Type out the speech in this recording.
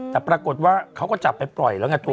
แต่ปรากฏว่าเขาก็จับไปปล่อยแล้วไงตัว